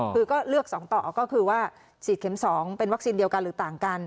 คือก็เลือก๒ต่อก็คือว่าฉีดเข็ม๒เป็นวัคซีนเดียวกันหรือต่างกัน